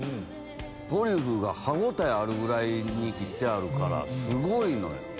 トリュフが歯応えあるぐらいに切ってあるからすごいのよ。